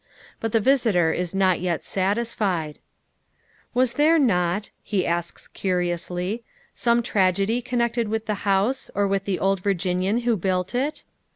But the visitor is not yet satisfied. " Was there not," he asks curiously, " some tragedy connected with the house, or with the old Virginian who built it?"